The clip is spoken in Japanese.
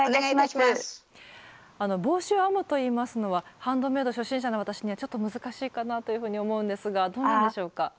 帽子を編むといいますのはハンドメイド初心者の私にはちょっと難しいかなというふうに思うんですがどうなんでしょうか？